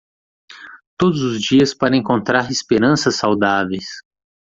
Todos os dias para encontrar esperanças saudáveis